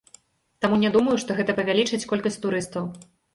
Таму не думаю, што гэта павялічыць колькасць турыстаў.